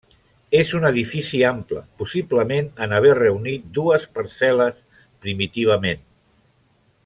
És un edifici ample, possiblement en haver reunit dues parcel·les, primitivament.